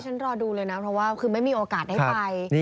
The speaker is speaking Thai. รอดูเลยนะเพราะว่าคือไม่มีโอกาสได้ไป